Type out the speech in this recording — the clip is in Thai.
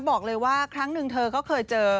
บอกเลยว่าครั้งหนึ่งเธอก็เคยเจอ